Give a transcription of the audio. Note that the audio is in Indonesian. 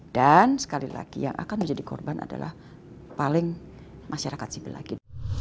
dan sekali lagi yang akan menjadi korban adalah paling masyarakat sibil lagi